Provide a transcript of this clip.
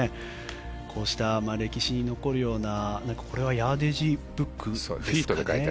こうした歴史に残るようなこれはヤーデージブック。